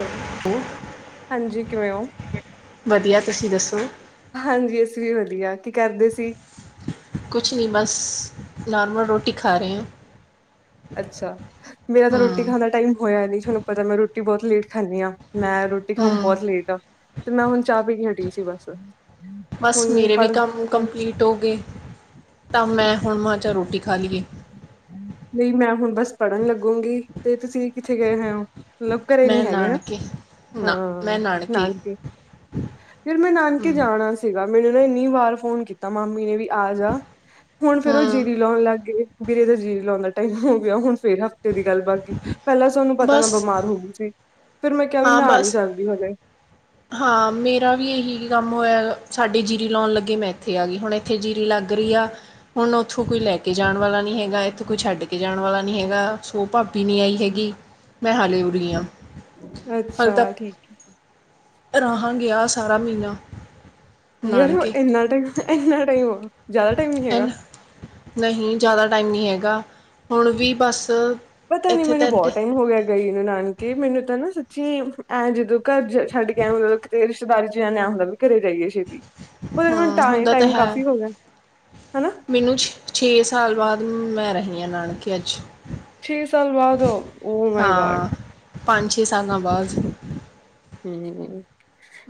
Hello ਹਾਂਜੀ ਕਿਵੇਂ ਓ। ਵਧੀਆਂ ਤੁਸੀਂ ਦੱਸੋ। ਹਾਂਜੀ ਅਸੀਂ ਵੀ ਵਧੀਆਂ ਕੀ ਕਰਦੇ ਸੀ। ਕੁਛ ਨਈ ਬਸ ਨਾਰਮਲ ਰੋਟੀ ਖਾ ਰਏ ਆਂ। ਅੱਛਾ ਮੇਰਾ ਤਾਂ ਰੋਟੀ ਹੂੰ ਖਾਣ ਦਾ ਟਾਈਮ ਹੋਇਆਂ ਨੀ ਤੁਹਾਨੂੰ ਪਤਾ ਮੈਂ ਰੋਟੀ ਬਹੁਤ ਲੇਟ ਖਾਨੀ ਆਂ। ਮੈਂ ਰੋਟੀ ਖਾਣ ਹੂੰ ਬਹੁਤ ਲੇਟ ਆ ਤੇ ਮੈਂ ਹੁਣ ਚਾਹ ਪੀ ਕੇ ਹਟੀ ਸੀ ਬਸ ਬਸ ਹੁਣ ਮੇਰੇ ਪੜ ਵੀ ਕੰਮ ਕੰਪਲੀਟ ਹੋ ਗਏ ਤਾਂ ਮੈਂ ਹੁਣ ਮੈਂ ਰੋਟੀ ਖਾ ਲਈਏ। ਨਈ ਮੈਂ ਹੁਣ ਬਸ ਪੜ੍ਹਨ ਲੱਗੂਗੀ ਤੇ ਤੁਸੀਂ ਕਿੱਥੇ ਗਏ ਹੋਏ ਓ। ਲੋਕ ਘਰੇ ਮੈਂ ਨੀ ਹੈਗੇ ਨਾ ਨਾਨਕੇ ਨਾ ਮੈਂ ਹਾਂ ਨਾਨਕੇ ਫਿਰ ਮੈਂ ਹੂੰ ਨਾਨਕੇ ਜਾਣਾ ਸੀ। ਸੀਗਾ ਮੈਨੂੰ ਨਾ ਇੰਨੀ ਵਾਰ ਫੋਨ ਕੀਤਾ ਮਾਮੀ ਨੇ ਵੀ ਆ ਜਾ ਹੁਣ ਫਿਰ ਓ ਹੂੰ ਜੀਰੀ ਲਾਉਂਣ ਲੱਗ ਗਏ। ਵੀਰੇ ਦਾ ਜੀ ਲਾਉਣ ਦਾ ਟਾਈਮ ਹੋ ਗਿਆਂ ਹੁਣ ਫਿਰ ਹਫ਼ਤੇ ਦੀ ਗੱਲ ਬਣ ਗਈ ਪੈਲਾਂ ਤੁਹਨੂੰ ਪਤਾ ਮੈਂ ਬਸ ਬਿਮਾਰ ਹੋ ਗਈ ਸੀ ਫੇਰ ਮੈਂ ਕਿਆ ਵੀ ਹਾਂ ਮੈਂ ਆ ਨਈ ਬਸ ਸਕਦੀ ਹਜੇ ਹਾਂ ਮੇਰਾ ਵੀ ਇਹੀ ਕੰਮ ਹੋਇਆ ਸਾਡੇ ਜੀਰੀ ਲਾਉਂਣ ਲੱਗੇ ਮੈਂ ਇੱਥੇ ਆ ਗਈ ਹੁਣੇ ਉੱਥੇ ਜੀਰੀ ਲੱਗ ਰਈ ਆ। ਹੁਣ ਉੱਥੋਂ ਕੋਈ ਲੈ ਕੇ ਜਾਣ ਵਾਲਾ ਨੀ ਹੈਗਾ ਇੱਥੇ ਕੋਈ ਛੱਡ ਕੇ ਜਾਣ ਵਾਲਾ ਨੀ ਹੈਗਾ ਸੋ ਭਾਬੀ ਨਈਆਈ ਹੈਗੀ। ਮੈਂ ਹਾਲੇ ਉਰੀ ਹਾਂ। ਅੱਛਾ ਠੀਕ ਏ। ਰਾਹਾਂ ਗਿਆ ਸਾਰਾ ਮ੍ਹੀਨਾਂ ਯਾਰ ਇਨਾ ਟੈਮ ਇੰਨਾ ਟੈਮ ਵ ਜਾਦਾ ਟੈਮ ਨੀ ਹੈਗਾ। ਐਨ ਨਹੀਂ ਜਾਦਾ ਟਾਈਮ ਨੀ ਹੈਗਾ ਹੁਨ ਵੀ ਬਸ ਪਤਾ ਨੀ ਇੱਥੇ ਤਾਂ ਮੈਨੂੰ ਬਹੁ ਏਡੇ ਟਾਈਮ ਹੋ ਗ਼ੇਆ। ਗਈ ਨੂੰ ਨਾਨਕੇ ਮੈਨੂੰ ਤਾਂ ਨਾ ਸੱਚੀ ਐਂ ਜਦੋਂ ਘਰ ਜਾ ਛੱਡ ਕੇ ਐਂ ਮਤਲਬ ਜੇ ਰਿਸ਼ਤੇਦਾਰੀ ਚ ਜਾਨੇ ਆਂ ਐਂ ਹੁੰਦਾ ਵੀ ਘਰੇ ਜਾਈਏ ਛੇਤੀ, ਪਰ ਹੁਨ ਹਾਂ ਹੁੰਦਾ ਤਾਂ ਟਾਈਮ-ਟਾਈਮ ਹੈ ਕਾਫੀ ਹੋ ਗੇਆ, ਹਨਾ। ਮੈਨੂੰ ਛੇ ਛੇ ਸਾਲ ਬਾਦ ਮੈਂ ਰਹੀ ਆਂ ਨਾਨਕੇ ਅੱਜ। ਛੇ ਸਾਲ ਬਾਦ, ਓ ਮਾਈ ਗੌਡ। ਪੰਜ-ਛੇ ਸਾਲਾਂ ਬਾਦ ਹੂੰ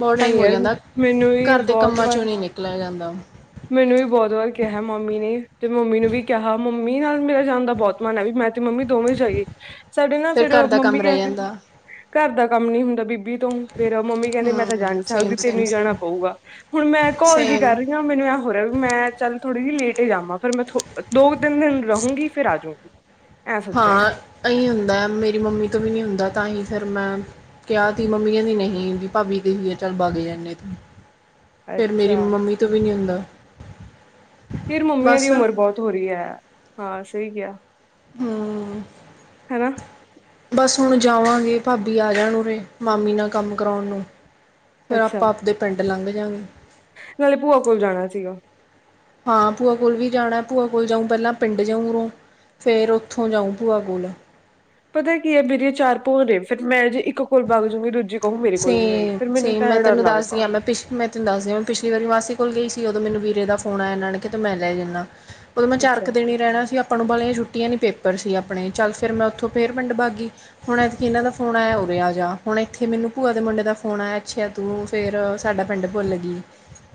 ਬਹੁ ਨਹੀਂ ਟਾਈਮ ਹੋ ਯਾਰ ਜਾਂਦਾ, ਮੈਨੂੰ ਵੀ ਘਰ ਦੇ ਬਹੁਤ ਕੰਮਾਂ ਵਾਰ ਚੋ ਨੀ ਨਿਕਲਿਆ ਜਾਂਦਾ। ਮੈਨੂੰ ਵੀ ਬੋਤ ਵਾਰ ਕਿਹਾ ਮਾਮੀ ਨੇ ਤੇ ਮੰਮੀ ਨੂੰ ਵੀ ਕਿਹਾ ਮੰਮੀ ਨਾਲ ਮੇਰਾ ਜਾਨ ਦਾ ਬੋਤ ਮਨ ਐ ਵੀ ਮੈਂ ਤੇ ਮੰਮੀ ਦੋਵੇਂ ਜਾਈਏ, ਸਾਡੇ ਨਾ ਫਿਰ ਫੇਰ ਘਰ ਦਾ ਕੰਮ ਮੰਮੀ ਰਹਿ ਕੈਂਦੇ ਜਾਂਦਾ ਘਰ ਦਾ ਕੰਮ ਨੀ ਹੁੰਦਾ ਵੀ ਕੀ ਤੂੰ ਫੇਰ ਮੰਮੀ ਕੈਂਦੀ ਮੈਂ ਤਾਂ ਜਾ ਹਮ ਨੀ ਸੇਮ ਸਕਦੀ ਤੈਨੂੰ ਸੇਮ ਈ ਜਾਨਾ ਸੇਮ ਪਊਗਾ, ਹੁਨ ਮੈਂ ਘੋਲ ਜੀ ਸੇਮ ਕਰ ਰਈ ਮੈਨੂੰ ਐਂ ਹੋ ਰਿਆ ਵੀ ਮੈਂ ਚੱਲ ਥੋੜੀ ਜੀ ਲੇਟ ਏ ਜਾਵਾਂ। ਪਰ ਮੈਂ ਥੋ ਦੋ ਕ ਤਿੰਨ ਦਿਨ ਰਹੂੰਗੀ, ਫਿਰ ਆਜੂੰ। ਹਾਂ ਅਈਂ ਹੁੰਦਾ ਮੇਰੀ ਮੰਮੀ ਤੋਂ ਵੀ ਨੀ ਹੁੰਦਾ ਤਾਂਹੀ ਫਿਰ ਮੈਂ ਕਿਆ ਤੀ ਮੰਮੀ ਕੈਂਦੀ ਨਹੀਂ ਵੀ ਭਾਬੀ ਗਈ ਹੋਈ ਆ ਚੱਲ ਬਗ ਜਾਂਨੇ ਆਂ ਏਥੋਂ। ਫੇਰ ਮੇਰੀ ਅੱਛਾ ਮੰਮੀ ਤੋਂ ਵੀ ਨੀ ਹੁੰਦਾ। ਯਾਰ ਮੰਮੀਆਂ ਦੀ ਬਸ ਉਮਰ ਬੋਤ ਹੋ ਰੀ ਐ, ਹਾਂ ਸਈ ਕਿਆ। ਹੂੰ। ਹੈਨਾ। ਬਸ ਹੁਨ ਜਾਵਾਂਗੇ ਭਾਬੀ ਆ ਜਾਨ ਉਰੇੇ ਮਾਮੀ ਨਾਲ ਕੰਮ ਕਰੌਨ ਨੂੰ। ਫੇਰ ਅੱਛਾ ਆਪਾਂ ਆਪਦੇ ਪਿੰਡ ਲੰਘ ਜਾਂਗੇ। ਨਾਲੇ ਭੂਆ ਕੋਲ ਜਾਨਾ ਸੀਗਾ। ਹਾਂ ਭੂਆ ਕੋਲ ਵੀ ਜਾਨਾ ਭੂਆ ਕੋਲ ਜਾਊਂ ਪੈਲਾਂ ਪਿੰਡ ਜਾਊ ਉਰੋਂ ਫੇਰ ਓਥੋਂ ਜਾਊਂ ਭੂਆ ਕੋਲ। ਪਤਾ ਕੀ ਐ ਮੇਰੀਆਂ ਚਾਰ ਭੂਆ ਨੇ ਫੇਰ ਮੈਂ ਜੇ ਇੱਕ ਕੋਲ ਬਗ ਜੂੰਗੀ, ਦੂਜੀ ਕਊਗੀ ਮੇਰੇ ਕੋਲ ਨੀ ਆਈ, ਸੇਮ ਫੇਰ ਮੈਨੂੰ ਸੇਮ ਤਾਂ ਮੈਂ ਐਂ ਡਰ ਤੈਨੂੰ ਦੱਸਦੀ ਲੱਗਦਾ। ਹਾਂ ਮੈਂ ਪਿਛ ਮੈਂ ਤੈਨੂੰ ਦੱਸਦੀ ਆਂ ਮੈਂ ਪਿਛਲੀ ਵਾਰੀ ਮਾਸੀ ਕੋਲ ਗਈ ਸੀ ਓਦੋਂ ਮੈਨੂੰ ਵੀਰੇ ਦਾ ਫੋਨ ਆਏਆ ਨਾਨਕੇਆਂ ਤੋਂ ਕਿਆ ਤੈਨੂੰ ਮੈਂ ਲੈ ਜਾਂਨਾ। ਓਦੋਂ ਮੈਂ ਚਾਰ ਅੱਛਾ। ਕ ਦਿਨ ਈ ਰੈਨਾ ਸੀ ਆਪਾਂ ਨੂੰ ਬਾਲੀਆ ਛੁੱ ਛੁਟੀਆਂ ਨੀ ਪੇਪਰ ਸੀ ਆਪਨੇ'ਚੱਲ ਫ਼ੇਰ ਮੈਂ ਉੱਥੋਂ ਫੇਰ ਪਿੰਡ ਬਾਗੀ, ਹੁਨ ਐਤਕੀ ਏਨਾਂ ਦਾ ਫੋਨ ਆਏਆ ਉਰੇ ਆ ਜਾ ਹੁਨ ਏਥੇ ਮੈਨੂੰ ਭੂਆ ਦੇ ਮੁੰਡੇ ਦਾ ਫੋਨ ਆਏਆ ਅੱਛੇਆ ਤੂੰ ਫੇਰ ਸਾਡਾ ਪਿੰਡ ਭੁੱਲਗੀ।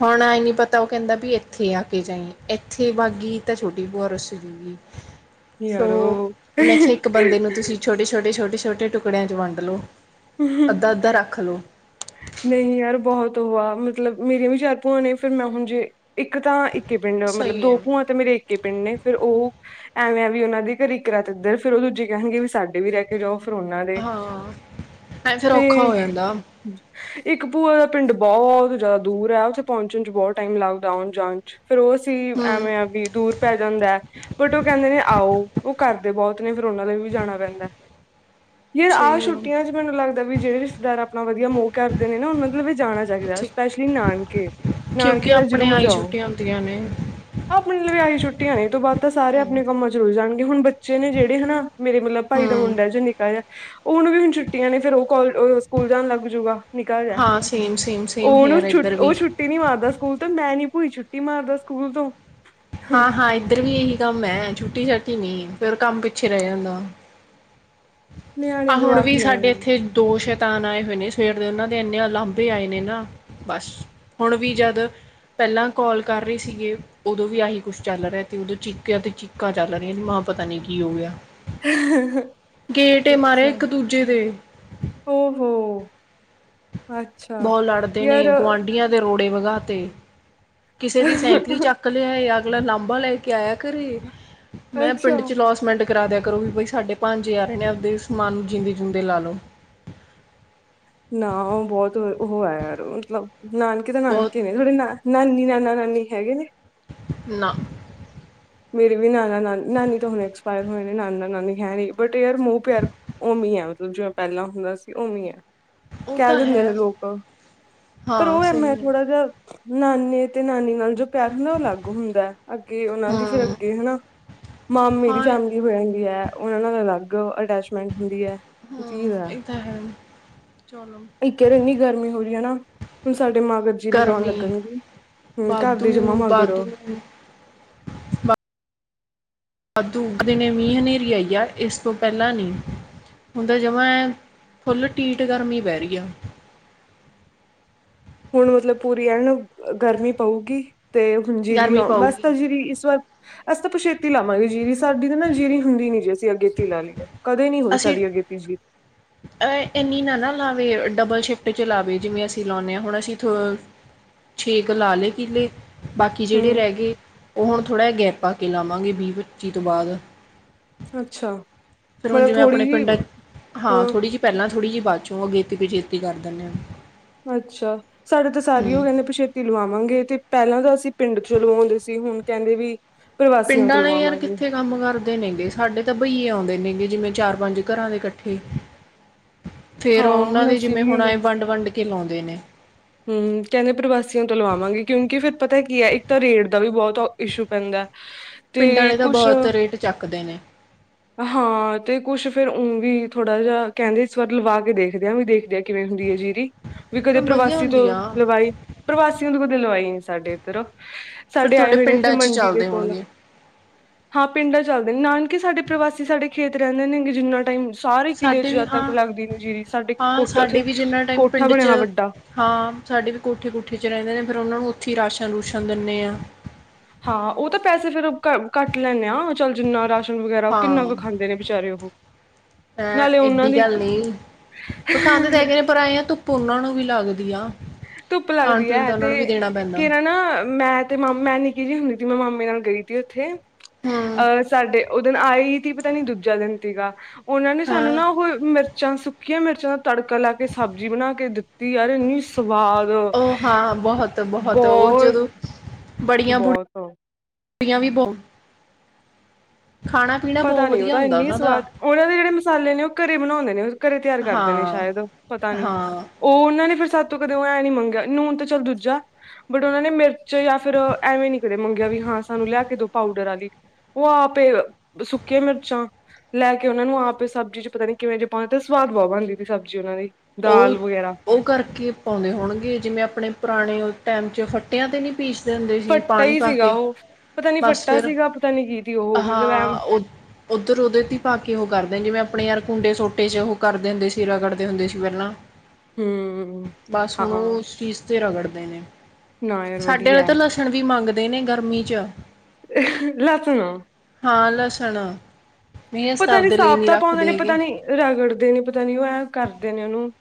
ਹੁਨ ਐਂ ਨੀ ਪਤਾ ਓ ਕੈਂਦਾ ਵੀ ਏਥੇ ਆ ਕੇ ਜਾਈਂ, ਏਥੇ ਬਾਗੀ ਤਾਂ ਛੋਟੀ ਭੂਆ ਰੁੱਸ ਜੂ। ਸੋ ਯਾਰੋ ਮੈਂ ਕਿਆ ਇੱਕ ਬੰਦੇ ਨੂੰ ਤੁਸੀਂ ਛੋਟੇ-ਛੋਟੇ-ਛੋਟੇ-ਛੋਟੇ ਟੁਕੜਿਆਂ ਚ ਵੰਡ ਲੋ, ਅੱਦਾ-ਅੱਦਾ ਰੱਖ ਲੋ। ਨਹੀਂ ਯਾਰ ਬਹੋਤ ਓਹੋ ਆ ਮਤਲਬ ਮੇਰੀਆਂ ਵੀ ਚਾਰ ਭੂਆਂ ਨੇ ਫਿਰ ਮੈਂ ਹੁਨ ਜੇ, ਇੱਕ ਤਾਂ ਇਕੇ ਪਿੰਡ ਮਤਲਬ ਸਹੀ ਦੋ ਹੈ ਭੂਆਂ ਤੇ ਮੇਰੇ ਇੱ ਇਕੇ ਪਿੰਡ ਨੇ ਫ਼ੇਰ ਓਹੋ ਐਵੇਂ ਐ ਵੀ ਓਨਾਂ ਦੀ ਘਰੇਂ ਇਕ ਰਾਤ ਏਦਰ ਫੇਰ ਓ ਦੂਜੇ ਕੈਨਗੇ ਵੀ ਸਾਡੇ ਵੀ ਰੈ ਕੇ ਰਓ ਵੀ ਫੇਰ ਓਨਾਂ ਦੇ, ਹਾਂ ਐ ਫਿਰ ਤੇ ਔਖਾ ਹੋ ਜਾਂਦਾ ਇੱਕ ਭੂਆ ਦਾ ਪਿੰਡ ਬਹੋਤ ਜਾਦਾ ਦੂਰ ਐ, ਓਥੇ ਪੋਂਚਨ ਚ ਬੋਤ ਟਾਈਮ ਲੱਗਦਾ ਔਨ ਜਾਨ ਚ ਫੇਰ ਓ ਅਸੀ ਹਮ ਐਵੇਂ ਆ ਵੀ ਦੂਰ ਪੈ ਜਾਂਦੈ। ਬਟ ਓ ਕੈਂਦੇ ਨੇ ਆਓ, ਓ ਕਰਦੇ ਬੋਤ ਨੇ ਫੇਰ ਓਨਾਂ ਦੇ ਵੀ ਜਾਨਾ ਪੈਂਦਾ। ਯਾਰ ਆਹ ਸਹੀ ਆ ਛੁੱਟੀਆਂ ਚ ਮੈਨੂੰ ਲੱਗਦਾ ਵੀ ਜੇੜੇ ਰਿਸ਼ਤੇਦਾਰ ਆਪ ਆਪਣਾ ਵਧੀਆ ਮੋਹ ਕਰਦੇ ਨੇ ਨਾ, ਮਤਲਬ ਇਹ ਜਾਣਾ ਚਾਹੀਦਾ, ਉੱਥੇ ਸਪੈਸ਼ਲੀ ਨਾਨਕੇ। ਕਿਉਂਕਿ ਨਾਨਕੇ ਤਾਂ ਆਪਣੇ ਜਰੂਰ ਆਈ ਜਾਓ। ਛੁੱਟੀਆਂ ਨੇ। ਆਪਣੇ ਲਈ ਵੀ ਆਈ ਛੁੱਟੀਆਂ ਨੇ, ਇਹ ਤੋਂ ਬਾਅਦ ਤਾਂ ਸਾਰੇ ਹਮ ਆਪਣੇ ਕੰਮਾਂ ਚ ਰੁਝ ਜਾਣਗੇ। ਹੁਣ ਬੱ ਚੇ ਨੇ ਜਿਹੜੇ ਹਨਾ, ਮੇਰੇ ਮਤਲਬ ਭਾਈ ਦਾ ਹਮ ਮੁੰਡਾ ਜੌ ਨਿੱਕਾ ਜਿਹਾ, ਉਹਨੂੰ ਵੀ ਹੁਣ ਛੁੱਟੀਆਂ ਨੇ, ਫੇਰ ਉਹ ਕ ਸਕੂਲ ਜਾਣ ਲੱਗ ਜੂਗਾ ਨਿਕਾ ਜਿਹਾ, ਹਾਂ ਸੇਮ ਸੇਮ ਸੇਮ ਉਹਨੂੰ ਹੇਅਰ ਇੱਧਰ ਛੁਟ, ਵੀ ਉਹ ਛੁੱ, ਛੁੱਟੀ ਨਹੀਂ ਮਾਰਦਾ ਸਕੂਲ ਤੋਂ, ਮੈਂ ਨੀ ਭੂਈ ਛੁੱਟੀ ਮਾਰਦਾ ਸਕੂਲ ਤੋਂ। ਹਾਂ, ਹਾਂ ਇੱਧਰ ਵੀ ਇਹੀ ਕੰਮ ਹੈ, ਛੁੱਟੀ-ਛਾਟੀ ਨੀ, ਫਿਰ ਕੰਮ ਪਿੱਛੇ ਰਹਿ ਜਾਂਦਾ। ਆ ਨਿਆਣੇ ਹੁਣ ਜਵਾਕ ਵੀ ਸਾਡੇ ਨੇ ਇੱਥੇ ਦੋ ਸ਼ਤਾਨ ਆਏ ਹੋਏ ਨੇ ਸਵੇਰ ਦੇ, ਉਹਨਾਂ ਦੇ ਇੰਨੇ ਓਲਾਂਭੇ ਆਏ ਨੇ ਨਾ। ਬਸ, ਹੁਣ ਵੀ ਜਦ, ਪਹਿਲਾਂ ਕੋਲ ਕਰ ਰਹੀ ਸੀਗੀ ਵੀ ਆਹੀ ਕੁਛ ਚੱਲ ਰਿਹਾ ਤੇ ਉਦੋਂ ਚੀਕਿਆ, ਤੇ ਚੀਕਾਂ ਚੱਲ ਰਹੀਆਂ ਤੇ ਮਾਂ ਪਤਾ ਨੀ ਕੀ ਹੋ ਗਿਆ। ਗੇਟ ਏ ਮਾਰੇ, ਇੱਕ-ਦੂਜੇ ਦੇ। ਓ ਹੋ। ਬਹੁਤ ਲੜਦੇ ਨੇ, ਯਾਰ ਗੁਆਂਢੀਆਂ ਦੇ ਰੋੜੇ ਵਗਾ ਤੇ। ਕਿਸੇ ਦੀ ਸਾਈਕਲ ਚੱਕ ਲਿਆਏ, ਅਗਲਾ ਲਾਂਬਾ ਲੈ ਕੇ ਆਇਆ ਘਰੇ। ਮੈਂ ਅੱਛਾ ਪਿੰਡ'ਚ ਲੋਸਮੈਂਟ ਕਰਾ ਦਿਆ ਕਰੋ ਵੀ ਬਈ, ਸਾਡੇ ਭਾਣਜੇ ਆ ਰਹੇ ਨੇ, ਆਪਦੇ ਸਮਾਨ ਨੂੰ ਜਿਂਦੇ-ਜਿਉਂਦੇ ਲਾ ਲਓ। ਨਾ, ਉਹ ਬਹੁਤ ਉਹ ਹੈ ਯਾਰ, ਮਤਲਬ ਨਾਨਕੇ ਤਾਂ ਬਹੁਤ ਨਾਨਕੇ ਨੇ ਥੋੜੇ ਨਾ ਨਾਨੀ, ਨਾਨਾ-ਨਾਨੀ ਹੈਗੇ ਨੇ। ਨਾ। ਮੇਰੇ ਵੀ ਨਾਨਾ-ਨਾਨੀ, ਨਾਨੀ ਤਾਂ ਹੁਣੇ ਐਕਸਪਾਇਰ ਹੋਏ ਨੇ, ਨਾਨਾ-ਨਾਨੀ ਹੈ ਨਹੀਂ। ਬਟ ਯਾਰ, ਮੋਹ-ਪਿਆਰ, ਓਵੇ ਹੀ ਆ, ਮਤਲਬ ਜਿਵੇਂ ਪਹਿਲਾਂ ਹੁੰਦਾ ਸੀ, ਉਵੇਂ ਹੀ ਆ। ਉਹ ਕਹਿ ਤਾਂ ਦਿੰਦੇ ਨੇ ਹੈ ਲੋਕ, ਪਰ ਹਾਂ ਉਹ ਐ ਮੈਂ ਸਹੀ ਹੈ ਥੋੜਾ ਜਿਹਾ ਨਾਨੇ ਤੇ ਨਾਨੀ ਨਾਲ ਜੋ ਪਿਆਰ ਹੁੰਦਾ, ਉਹ ਅਲਗ ਹੁੰਦਾ। ਅੱਗੇ ਉਹਨਾਂ ਦੀ ਫਿਰ ਹਾਂ ਅੱਗੇ ਹਨਾ, ਮਾਮੇ ਦੀ ਹਾਂ ਇਹ ਫੈਮਿਲੀ ਹੋਦੀ ਹੈ, ਉਹਨਾ ਨਾਲ ਅਲੱਗ ਅਟੈਚਮੈਂਟ ਹੁੰਦੀ ਹੈ। ਹਾਂ, ਇਹ ਤਾਂ ਹੈ। ਚਲੋ। ਇੱਕ ਯਾਰ, ਇੰਨੀ ਗਰਮੀ ਹੋ ਰਹੀ ਹੈ ਨਾ, ਹੁਣ ਸਾਡੇ ਮਗ ਜੀ ਦੀ ਲਾਉਣ ਗਰਮੀ ਲੱਗਣਗੇ। ਹਮ, ਘਰ ਵਾਧੂ ਦੀ ਜਮਾ ਮਾਗਰੋ। ਵਾਧੂ ਵਾਧੂ ਉੱਗਦੇ ਨੇ, ਮੀਂਹ-ਹਨੇਰੀ ਆਈ ਆ, ਇਸ ਤੋਂ ਪਹਿਲਾਂ ਨਹੀ। ਹੁਣ ਤਾਂ ਜਮਾ ਐ, ਫੁੱਲ ਢੀਠ ਗਰਮੀ ਪੈ ਰਹੀ ਆ। ਹੁਣ ਮਤਲਬ ਪੂਰੀ ਐਨ ਗਰਮੀ ਪਊਗੀ ਤੇ ਹੁਣ ਜੀਰੀ ਗਰਮੀ ਲਾ, ਵੈਸੇ ਪਾਊਗੀ ਤਾਂ ਜੀਰੀ ਇਸ ਵਾਰ ਅਸੀਂ ਤਾਂ ਪਛੇਤੀ ਲਾਵਾਂਗੇ ਜੀਰੀ, ਸਾਡੀ ਤਾਂ ਨਾ ਜੀਰੀ ਹੁੰਦੀ ਨੀ ਜੀ, ਅਸੀਂ ਅਗੇਤੀ ਲਾ ਲਈਏ। ਕਦੇ ਨਹੀਂ ਹੋਈ ਸਾਡੀ ਅਗੇਤੀ ਜੀਰੀ। ਏਨੀ ਨਾ, ਨਾ ਲਾਵੇ, ਡਬਲ ਸ਼ਿਫਟ'ਚ ਲਾਵੇ, ਜਿਵੇਂ ਅਸੀਂ ਲਾਉਂਨੇ ਹਾਂ ਹੁਣ ਅਸੀਂ ਛੇ ਕ ਲਾਲੇ ਕਿਲੇ। ਬਾਕੀ ਜਿਹੜੇ ਹਮ ਰਹਿ ਗਏ, ਉਹ ਹੁਣ ਥੋੜ੍ਹਾ ਜਿਹਾ ਗੈਪ ਪਾ ਕੇ ਲਾਵਾਂਗੇ, ਵੀਹ-ਪੱਚੀ ਤੋਂ ਬਾਅਦ। ਅੱਛਾ। ਫੇਰ ਰੁਣ ਮਤਲਬ ਜਿਵੇਂ ਥੋੜ੍ਹੀ ਆਪਣੇ ਜਿਹੀ ਪਿੰਡ'ਚ ਹਾਂ, ਥੋੜੀ ਜਿਹੀ ਪਹਿਲਾਂ, ਥੋੜ੍ਹੀ ਜਹੀ ਬਾਅਦ'ਚੋਂ ਅਗੇਤੀ-ਪਛੇਤੀ ਕਰ ਦਿੰਦੇ ਹਾਂ। ਅੱਛਾ। ਸਾਡੇ ਤਾਂ ਸਾਰੀ ਉਹ ਹੂੰ ਕਹਿੰਦੇ ਪਛੇਤੀ ਲਵਾਵਾਂਗੇ, ਤੇ ਪਹਿਲਾਂ ਤਾਂ ਅਸੀਂ ਪਿੰਡ'ਚ ਲਵਾਉਂਦੇ ਸੀ, ਹੁਣ ਕਹਿੰਦੇ ਵੀ ਪ੍ਰਵਾਸੀਆਂ ਪਿੰਡਾਂ ਤੋਂ ਆਲੇ ਯਾਰ, ਲਵਾਵਾਂਗੇ ਕਿੱਥੇ ਕੰਮ ਕਰ ਦੇ ਨੇਗੇ, ਸਾਡੇ ਤਾਂ ਬਈਏ ਆਉਂਦੇ ਨੇਗੇ, ਜਿਵੇਂ ਚਾਰ-ਪੰਜ ਘਰਾਂ ਦੇ ਇਕੱਠੇ। ਫੇਰ ਹਾਂ ਉਹਨਾਂ ਦੇ ਅਸੀਂ ਜਿਵੇਂ ਵੀ ਹੁਣ ਆਏ, ਵੰਡ-ਵੰਡ ਕੇ ਲਾਉਂਦੇ ਨੇ। ਹੂ ਕਹਿੰਦੇ ਪ੍ਰਵਾਸੀਆਂ ਤੋਂ ਲਵਾਵਾਂਗੇ, ਕਿਉਂਕਿ ਫਿਰ ਪਤਾ ਕੀ ਹੈ, ਇੱਕ ਤਾਂ ਰੇਟ ਦਾ ਵੀ ਬਹੁਤ ਇਸ਼ੂ ਪੈਂਦਾ। ਹ ਪਿੰਡਾਂ ਆਲੇ ਤਾਂ ਬਹੁਤ ਰੇਟ ਚੱਕਦੇ ਨੇ। ਹ ਹਾਂ, ਤੇ ਕੁੱਛ ਫੇਰ ਉਹ ਵੀ ਥੋੜਾ ਜਿਹਾ ਕਹਿੰਦੇ, ਇਸ ਵਾਰ ਲਵਾ ਕੇ ਦੇਖਦੇ ਆ, ਵੀ ਦੇਖਦੇ ਆ ਕਿਵੇਂ ਹੁੰਦੀ ਹੈ ਜੀਰੀ। ਵੀ ਕਦੇ ਵਧੀਆ ਪ੍ਰਵਾਸੀ ਤੋਂ ਹੁੰਦੀ ਆ ਲਵਾਈ, ਪ੍ਰਵਾਸੀਆਂ ਤੋਂ ਕਦੇ ਲਵਾਈ ਨੀ ਸਾਡੇ ਇੱਧਰ। ਫਿਰ ਸਾਡੇ ਆਏ ਤੁਹਾਡੇ ਹੋਏ ਨੇ ਇੱਥੇ, ਪਿੰਡਾਂ 'ਚ ਮੰਡੀ ਦੇ ਚੱਲਦੇ ਕੋਲ। ਹੋਣਗੇ ਹਾਂ, ਪਿੰਡਾਂ ਚੱਲਦੇ ਨੇ, ਨਾਨਕੇ ਸਾਡੇ ਪ੍ਰਵਾਸੀ ਸਾਡੇ ਖੇਤ ਰਹਿੰਦੇ ਨੇਗੇ ਜਿੰਨਾ ਟਾਈਮ। ਸਾਰੇ ਸਾਡੇ ਕਿਲ੍ਹੇ'ਚ ਵੀ ਜਦ ਹਾਂ ਤੱਕ ਲੱਗਦੀ ਨੀ ਜੀਰੀ, ਸਾਡੇ ਹਾਂ ਕੋਠੇ ਉੱਥੇ ਸਾਡੇ ਵੀ ਜਿੰਨਾ ਟਾਈਮ ਕੋਠਾ ਪਿੰਡ 'ਚ ਬਣਿਆ ਵੱਡਾ। ਹਾਂ, ਸਾਡੇ ਵੀ ਕੋਠੇ-ਕੁਠੇ ਚ ਰਹਿੰਦੇ ਨੇ, ਫੇਰ ਉਹਨਾਂ ਨੂੰ ਉੱਥੇ ਹੀ ਰਾਸ਼ਨ-ਰੂਸ਼ਨ ਦਿੰਦੇ ਹਾਂ। ਹਾਂ, ਉਹ ਤਾਂ ਪੈਸੇ ਫੇਰ ਕੱਟ ਲੈਂਨੇ ਆ, ਚੱਲ ਜਿੰਨਾ ਰਾਸ਼ ਫਰੂਟ ਵਗੈਰਾ, ਉਹ ਕਿਨਾ ਕੁ ਖਾਦੇ ਨੇ ਵਿਚਾਰੇ ਉਹ- ਹੈ ਨਾਲੇ ਉਹਨਾਂ ਏਡੀ ਦੀ ਗੱਲ ਨਹੀ, ਔ ਖਾਦੇ ਤਾਂ ਹੈਗੇ ਏ ਨੇ ਪਰਾਏਆਂ ਤੂ- ਧੁੱਪ ਊਨਾ ਨੂੰ ਵੀ ਲੱਗਦੀ ਆ- ਧੁੱਪ ਖਾਣ ਲੱਗਦੀ ਪੀਣ ਹੈ, ਤਾਂ ਤੇ ਉਹਨਾਂ ਨੂੰ ਵੀ ਦੇਣਾ ਪੈਂਦਾ ਕਿਹੜਾ ਨਾ ਮੈ- ਤੇ ਮੈ ਨਿਕੀ ਜਿਹੀ ਹੁੰਦੀ, ਤੇ ਮੈਂ ਮਾਮੇ ਨਾਲ ਗਈ ਸੀ ਉਥੇ ਹੂੰ ਅਹ ਸਾਡੇ- ਉਹ ਦਿਨ ਆਏ ਹੀ ਸੀ, ਪਤਾ ਨੀ ਦੂਜਾ ਦਿਨ ਸੀਗਾ, ਉਹਨਾ ਨੇ ਸਾਨੂੰ ਹਾਂ ਨਾ ਉਹ ਮ- ਚੱਲ ਸੁੱਕੀਆਂ ਮਿਰਚਾਂ ਦਾ ਤੜਕਾ ਲੈ ਕੇ, ਸਬਜ਼ੀ ਬਣਾ ਕੇ ਦਿੱਤੀ, ਯਾਰ ਇੰਨੀ ਸਵਾਦ- ਉਹ ਹਾਂ ਬਹੁਤ- ਬਹੁਤ ਉਹ ਜਦੋ ਬੜੀਆਂ ਬੁੜੀਆਂ- ਬਹੁਤ ਕੁੜੀਆਂ ਵੀ ਬੋ ਖਾਣਾ- ਪੀਣਾ ਪਤਾ ਬਹੁਤ ਨੀ ਉਹ ਵਧੀਆ ਤਾਂ ਹੁੰਦਾ ਇੰਨ ਉਹਨਾਂ ਦਾ ਸਵਾਦ, ਉਹਨਾ ਦੇ ਜਿਹੜੇ ਮਸਾਲੇ ਨੇ ਉਹ ਘਰੇ ਬਣਾਉਦੇ ਨੇ ਉਹ ਘਰੇ ਤਿਆਰ ਕਰਦੇ ਨੇ, ਹਾਂ ਸ਼ਾਇਦ ਉਹ- ਪਤਾ ਨੀ ਹਾਂ ਉਹ ਉਹਨਾ ਨੇ ਫਿਰ ਸਾਡੇ ਤੋ ਕਦੇ ਉਹ ਐ ਨੀ ਮੰਗਿਆ, ਨੂਣ ਤਾਂ ਚੱਲ ਦੂਜਾ- ਬਟ ਉਹਨਾ ਨੇ ਮਿਰਚ ਜਾਂ ਫਿਰ ਐਵੇ ਨੀ- ਦੇ ਮੰਗਿਆ ਵੀ ਹਾਂ ਸਾਨੂੰ ਲੈ ਕੇ ਦੋ ਪਾਊਡਰ ਵਾਲੀ, ਉਹ ਆਪੇ ਸੁੱਕੀਆਂ ਮਿਰਚਾਂ- ਲੈ ਕੇ ਉਹਨਾ ਨੂੰ ਆਪ ਸਬਜੀ 'ਚ ਪਤਾ ਨੀ ਕਿਵੇ ਜੇ ਪਾਉ, ਤੇ ਸਵਾਦ ਬਹੁਤ ਬਣਦੀ ਸੀ ਸਬਜੀ ਉਹਨਾ ਦੀ ਉਹ ਦਾਲ ਵਗੈਰਾ- ਉਹ ਕਰਕੇ ਪਾਉਦੇ ਹੋਣਗੇ, ਜਿਵੇ ਆਪਣੇ ਪੁਰਾਣੇ ਟਾਈਮ 'ਚ ਫੱਟਿਆਂ ਤੇ ਨਹੀ ਪੀਸ਼- ਹੁੰਦੇ ਸੀ ਫੱਟਾ ਪਾਣੀ ਹੀ ਪਾ ਸੀਗਾ ਕੇ, ਉਹ ਪਤਾ ਨੀ ਬਸ ਫੱਟਾ ਫਿਰ ਸੀਗਾ ਪਤਾ ਨੀ ਕੀ ਤੀ ਉਹ ਮਤਲਬ ਐ ਹਾਂ ਉਹ- ਉਧਰ ਉਹਦੇ ਤੇ ਪਾ ਕੇ ਉਹ ਕਰਦੇ, ਜਿਵੇ ਆਪਣੇ ਯਾਰ ਕੁੰਡੇ ਸੋਟੇ 'ਚ ਉਹ ਕਰਦੇ ਹੁੰਦੇ ਸਰਾ ਕੱਢਦੇ ਹੁੰਦੇ ਸੀ- ਵੇਲਾ ਹੂੰ ਬਸ ਹੁਣ ਉਹ ਹਾਂ ਉਸ ਚੀਜ ਤੇ ਰਗੜਦੇ ਨੇ, ਨਾ ਯਾਰ ਸਾਡੇ ਵਾਲੇ ਵਧੀਆ ਐ। ਤਾਂ ਲ- ਹਲਦੀ ਮੰਗਦੇ ਨੇ ਗਰਮੀ ਚ ਲਸਣ ਨੋ - ਹਾਂ ਲਸਣ- ਨਹੀਂ ਅਸੀਂ ਤਾਂ ਪਤਾ ਨੀ ਆਪਦੇ ਲਈ ਨਹੀਂ ਸਾਬਤਾ ਪਾਉਦੇ ਰੱਖਦੇ ਨੇ ਪਤਾ ਹੈਗੇ ਨੀ ਰਗੜਦੇ ਨੇ ਪਤਾ ਨੀ ਉਹ ਐਂ ਕਰਦੇ ਨੇ ਉਹਨੂੰ-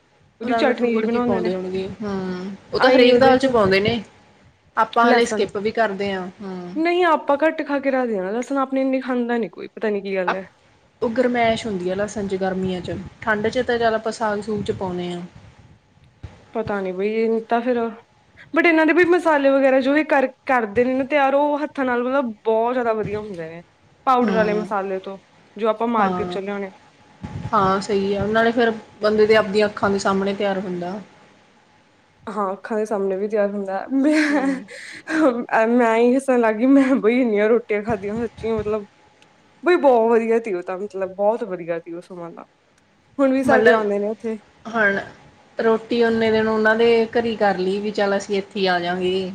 ਉਹਦੀ ਰਗੜ- ਚਟਨੀ ਜੀ ਰੁਗੜ ਕੇ ਬਣਾਉਂਦੇ ਨੇ ਪਾਉਦੇ ਹੋਣਗੇ, ਹਾਂ ਉਹ ਤਾਂ ਆਈ ਹਰੇਕ ਉਹਦੇ ਦਾਲ 'ਚ ਪਾਉਦੇ ਨੇ- ਆਪਾ ਹਾਲੇ ਲਸਣ ਸਕਿੱਪ ਵੀ ਕਰਦੇ ਆਂ ਹੂ ਆਪਾ ਘੱਟ ਖਾ ਕੇ ਰੱਖ ਦੇਣਾ, ਲਸਣ ਆਪਣੇ ਇਨੀ ਖਾਦਾ ਨੀ ਕੋਈ ਪਤਾ ਨੀ ਕੀ ਗੱਲ ਹੈ। ਉਹ ਗਰਮੈਸ਼ ਹੁੰਦੀ ਹੈਨਾ ਲਸਣ ਚ ਗਰਮੀਆਂ 'ਚ, ਠੰਡ 'ਚ ਤਾਂ ਚੱਲ ਆਪਾ ਸਾਗ ਸੂਗ 'ਚ ਪਾਉਦੇ ਹਾਂ- ਪਤਾ ਨੀ ਬਈ, ਇਹ ਨੂੰ ਤਾਂ ਫੇਰ- ਬਟ ਇਹਨਾਂ ਦੇ ਵੀ ਮਸਾਲੇ ਵਗੈਰਾ ਜੋ ਇਹ ਕਰ ਕਰਦੇ ਨੇ ਨਾ ਤਿਆਰ, ਉਹ ਹੱਥਾਂ ਨਾਲ ਮਤਲਬ- ਬਹੁਤ ਜਿਆਦਾ ਵਧੀਆ ਹੁੰਦੇ ਨੇ, ਪਾਊਡਰ ਵਾਲੇ ਹੂੰ ਮਸਾਲੇ ਤੋ ਜੋ ਆਪਾ ਮਾਰਕੀਟ ਹਾਂ 'ਚ ਲਿਆਉਣੇ- ਹਾਂ ਸਹੀ ਆ, ਨਾਲੇ ਫੇਰ ਬੰਦੇ ਤੇ ਆਪਦੀਆਂ ਅੱਖਾਂ ਦੇ ਸਾਹਮਣੇ ਤਿਆਰ ਹੁੰਦਾ- ਹਾਂ ਅੱਖਾਂ ਦੇ ਸਾਹਮਣੇ ਵੀ ਤਿਆਰ ਹੁੰਦਾ ਹੂੰ ਮ- ਐ ਮੈਂ ਹੱਸਣ ਲੱਗ ਗਈ, ਮੈਂ ਬਈ ਇਨੀ ਰੋਟੀਆਂ ਖਾਦੀਆਂ ਸੱਚੀ ਮਤਲਬ- ਬਈ ਬਹੁਤ ਵਧੀਆ ਸੀ ਓ ਤਾ ਮਤਲਬ ਬਹੁਤ ਵਧੀਆ ਸੀ ਓ ਸਮਾਂ ਤਾ, ਹੁਣ ਵੀ ਸਾਡੇ ਮਤਲਬ ਆਉਂਦੇ ਨੇ ਓਥੇ। ਹੁਣ ਰੋਟੀ ਓਨੇ ਦਿਨ ਉਹਨਾ ਦੇ ਘਰੀਂ ਕਰ ਲਈ ਵੀ ਚੱਲ ਅਸੀ ਇਥੇ ਹੀ ਆ ਜਾਗੇ।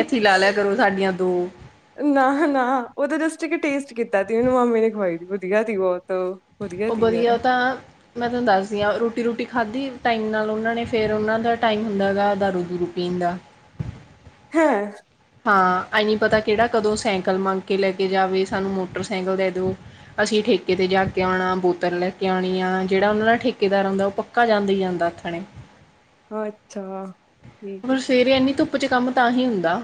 ਏਥੇ ਲਾ ਲਿਆ ਕਰੋ ਸਾਡੀਆਂ ਦੋ। ਨਾ ਨਾ ਉਹਦੇ ਬਸ ਟੇਸਟ ਕੀਤਾ ਸੀ, ਮੈਨੂੰ ਮਾਮੇ ਨੇ ਖਵਾਈ ਦੀ ਵਧੀਆ ਸੀ ਬਹੁਤ। ਉਹ ਤੀ ਯਾਰ ਵਧੀਆ ਉਹ ਤਾਂ ਮੈਂ ਤੁਹਾਨੂੰ ਦਸਦੀ ਹਾਂ ਰੋਟੀ ਰੂਟੀ ਖਾਧੀ ਟਾਈਮ ਨਾਲ ਉਹਨਾ ਨੇ, ਫਿਰ ਉਹਨਾ ਦਾ ਟਾਈਮ ਹੁੰਦਾ ਗਾ ਦਾਰੂ ਦੂਰੂ ਪੀਣ ਦਾ। ਹੈਂ! ਹਾਂ, ਐ ਨੀ ਪਤਾ ਕਿਹੜਾ ਕਦੋ ਸਾਈਕਲ ਮੰਗ ਕੇ ਲੈ ਕੇ ਜਾਵੇ, ਸਾਨੂੰ ਮੋਟਰ ਸਾਈਕਲ ਦੇ ਦਿਓ। ਅਸੀਂ ਠੇਕੇ ਤੇ ਜਾ ਕੇ ਆਉਣਾ, ਬੋਤਲ ਲੈ ਕੇ ਆਣੀ ਆ, ਜਿਹੜਾ ਉਹਨਾਂ ਦਾ ਠੇਕੇਦਾਰ ਹੁੰਦਾ ਉਹ ਪੱਕ ਪੱਕਾ ਜਾਦਾ ਹੀ ਜਾਂਦਾ ਆਥਣੇ। ਅੱਛਾ। ਠੀਕ ਹੈ ਪਰ ਸਵੇਰੇ ਐਨੀ ਧੁੱਪ ਚ ਕੰਮ ਤਾਂ ਹੀ ਹੁੰਦਾ।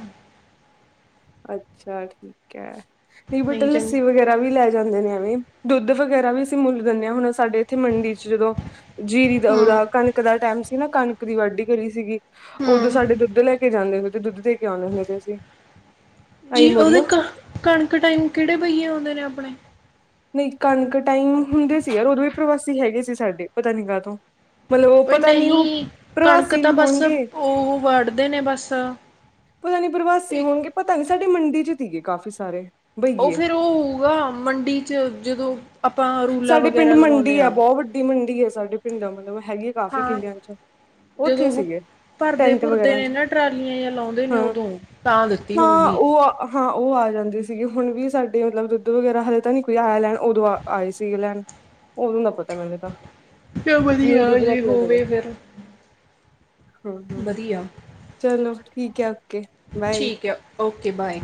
ਅੱਛਾ ਠੀਕ ਐ, ਨਹੀਂ ਬਟ ਲੱਸੀ ਵਗੈਰਾ ਵੀ ਲੈ ਜਾਦੇ ਨੇ ਐਵੇਂ, ਦੁੱਧ ਵਗੈਰਾ ਵੀ ਅਸੀ ਮੁੱਲ ਦਿੰਦੇ ਹਾਂ, ਹੁਣ ਸਾਡੇ ਇਥੇ ਮੰਡੀ ਚ ਜਦੋਂ ਜੀਰੀ ਦਾ ਹੂੰ ਉਹਦਾ ਕਣਕ ਦਾ ਟੈਮ ਸੀ ਨਾ ਕਣਕ ਦੀ ਵਾਢੀ ਕਰੀ ਸੀਗੀ ਉਦੋ ਹੂੰ। ਸਾਡੇ ਦੁੱਧ ਲੈ ਕੇ ਜਾਂਦੇ ਹੁੰਦੇ ਤੇ ਦੁੱਧ ਦੇ ਕੇ ਆਉਦੇ ਹੁੰਦੇ ਤੇ ਅਸੀ। ਜੀ ਉਹਦੇ ਕ ਕਣਕ ਟਾਈਮ ਕਿਹੜੇ ਬਹੀਏ ਆਉਂਦੇ ਨੇ ਆਪਣੇ? ਨਹੀਂ ਕਣਕ ਟਾਈਮ ਹੁੰਦੇ ਸੀ ਯਾਰ, ਉਦੋਂ ਵੀ ਪ੍ਰਵਾਸੀ ਹੈਗੇ ਸੀ ਸਾਡੇ ਪਤਾ ਨੀ ਕਾਹਤੋਂ। ਮਤਲਬ ਉਹ ਬਈ ਪਤਾ ਨੀ ਉਹ ਨਹੀਂ, ਕਣਕ ਪ੍ਰਵਾਸੀ ਤਾਂ ਨੀ ਬਸ ਹੋਣਗੇ ਉਹ ਵਢਦੇ ਨੇ ਬਸ ਪਤਾ ਨੀ ਪ੍ਰਵਾਸੀ ਇੱਕ ਹੋਣਗੇ, ਪਤਾ ਨੀ ਸਾਡੇ ਮੰਡੀ ਚ ਸੀਗੇ ਕਾਫੀ ਸਾਰੇ। ਉਹ ਬਈਏ ਫੇਰ ਉਹ ਹੋਊਗਾ ਮੰਡੀ ਚ ਜਦੋਂ ਆਪਾਂ ਰੁ ਸਾਡੇ ਪਿੰਡ ਮੰਡੀ ਆ, ਬਹੁਤ ਵੱਡੀ ਮੰਡੀ ਆ ਸਾਡੇ ਪਿੰਡ, ਮਤਲਬ ਹੈਗੀ ਆ ਕਾਫੀ ਹਾਂ ਕਿੱਲਿਆਂ ਚ। ਉੱਥੇ ਜਦੋਂ ਉਹ ਸੀਗੇ। ਭਰਦੇ ਟੈਂਟ ਭੁਰਦੇ ਵਗੈਰਾ ਨੇ ਚ ਨਾ ਟਰਾਲੀਆਂ ਜਾਂ ਲਾਉਂਦੇ ਨੇ ਹਾਂ ਉਦੋਂ ਤਾਂ ਦਿੱਤੀ ਹਾਂ ਹੋਊਗੀ। ਉਹ ਹਾਂ, ਉਹ ਆ ਜਾਂਦੀ ਸੀਗੇ, ਹੁਣ ਵੀ ਸਾਡੇ ਮਤਲਬ ਦੁੱਧ ਵਗੈਰਾ ਹਾਲੇ ਤਾਂ ਨਹੀਂ ਕੋਈ ਆਇਆ ਲੈਣ ਉਦੋਂ ਆ ਆਏ ਸੀਗੇ ਲੈਣ, ਉਦੋਂ ਦਾ ਪਤਾ ਮੈਨੂੰ ਤਾਂ। ਜਾਂ ਵੀ ਉਹੀ ਵਧੀਆ ਦੁੱਧ ਲੈ ਜੀ ਕੇ ਆਦੇ ਨੇ ਹੋਵੇ ਫੇਰ। ਹੂੰ ਹੂੰ, ਚਲੋ ਠੀਕ ਐ ਓਕੇ। ਬਾਏ ਠੀਕ ਐ, ਓਕੇ ਬਾਏ।